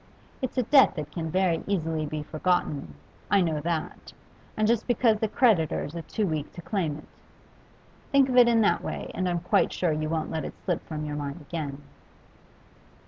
It's a debt that can very easily be forgotten, I know that, and just because the creditors are too weak to claim it. Think of it in that way, and I'm quite sure you won't let it slip from your mind again.